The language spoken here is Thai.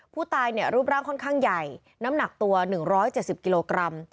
ผู้ตายรูปร่างค่อนข้างใหญ่น้ำหนักตัว๑๗๐กิโลกรัม